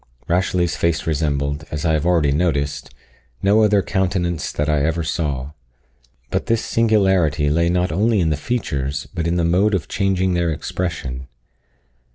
Rashleigh's face resembled, as I have already noticed, no other countenance that I ever saw. But this singularity lay not only in the features, but in the mode of changing their expression.